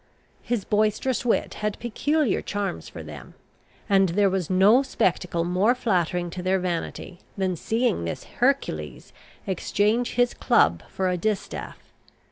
His boisterous wit had peculiar charms for them; and there was no spectacle more flattering to their vanity, than seeing this Hercules exchange his club for a distaff.